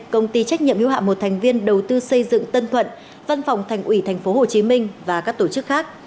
công ty trách nhiệm hữu hạm một thành viên đầu tư xây dựng tân thuận văn phòng thành ủy tp hcm và các tổ chức khác